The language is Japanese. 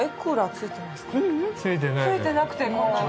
ついてなくてこんなに？